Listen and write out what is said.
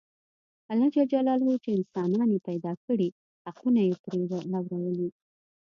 الله ج چې انسانان یې پیدا کړي حقونه یې پرې لورولي.